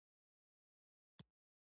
لیمو د لغمان نښه ده.